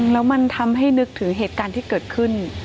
แล้วมันทำให้นึกถึงเหตุการณ์ที่เกิดขึ้น